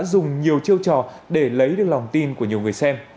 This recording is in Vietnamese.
dùng nhiều chiêu trò để lấy được lòng tin của nhiều người xem